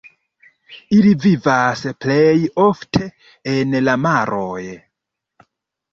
Ili vivas plej ofte en la maroj.